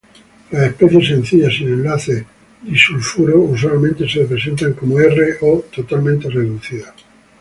Las especies sencillas sin enlaces disulfuro usualmente se representan como R o "totalmente reducidas".